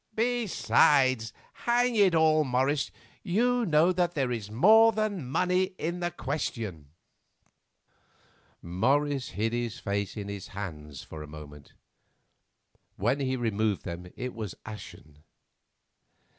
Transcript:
Besides, hang it all, Morris, you know that there is more than money in the question." Morris hid his face in his hands for a moment; when he removed them it was ashen.